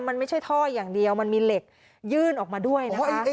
มันไม่ใช่ท่ออย่างเดียวมันมีเหล็กยื่นออกมาด้วยนะคะ